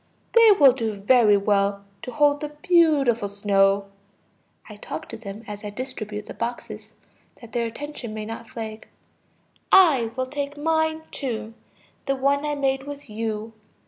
They will do very well to hold the beautiful snow. (I talk to them as I distribute the boxes, that their attention may not flag.) I will take mine too, the one I made with you.